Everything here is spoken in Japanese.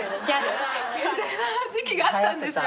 みたいな時期があったんですよ。